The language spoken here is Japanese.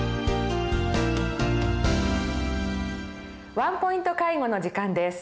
「ワンポイント介護」の時間です。